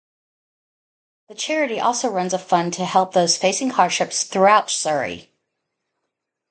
The charity also runs a fund to help those facing hardship throughout Surrey.